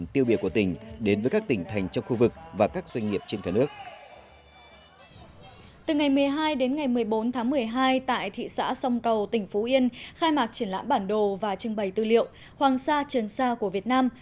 xã sông cầu tỉnh phú yên khai mạc triển lãm bản đồ và trưng bày tư liệu hoàng sa trường sa của việt nam